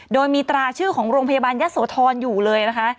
โดยมีตราชื่อของโรงพยาบาลยะโสธรอยู่เลยนะคะ